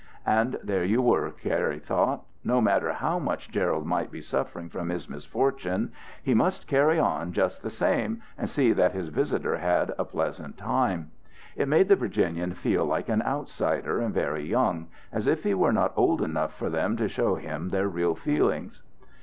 And there you were, Cary thought: no matter how much Gerald might be suffering from his misfortune, he must carry on just the same, and see that his visitor had a pleasant time. It made the Virginian feel like an outsider and very young as if he were not old enough for them to show him their real feelings.